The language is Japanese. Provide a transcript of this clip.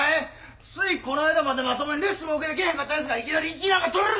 ついこの間までまともにレッスンも受けてきいへんかったヤツがいきなり１位なんか取れるか！？